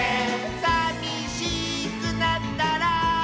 「さみしくなったら」